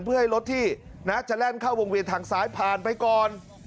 เพื่อให้รถที่จะแล่นเข้าวงเวียนทางซ้ายผ่านไปก่อน